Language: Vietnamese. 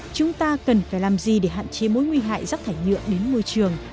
chúng ta cần phải làm gì để hạn chế mối nguy hại rắc thải nhựa đến môi trường